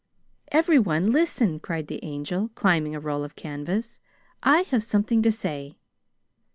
"Everyone listen!" cried the Angel, climbing a roll of canvas. "I have something to say!